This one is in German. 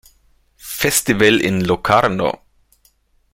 Festival in Locarno.